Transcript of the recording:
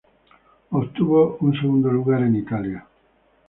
Obtuvo un segundo lugar en Italia.